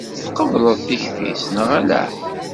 Tqebleḍ tikti-s neɣ ala?